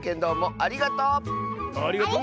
ありがとう！